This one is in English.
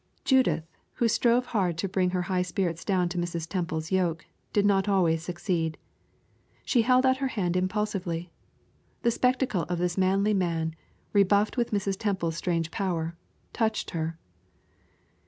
Judith, who strove hard to bring her high spirit down to Mrs. Temple's yoke, did not always succeed. She held out her hand impulsively. The spectacle of this manly man, rebuffed with Mrs. Temple's strange power, touched her.